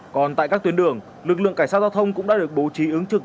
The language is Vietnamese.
còn tại các tuyến đường lực lượng cảnh sát giao thông cũng đã được bố trí ứng trực